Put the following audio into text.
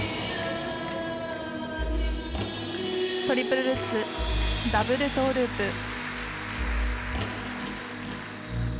トリプルルッツダブルトウループ。